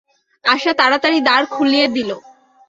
আশা তাড়াতাড়ি দ্বার খুলিয়া দিল।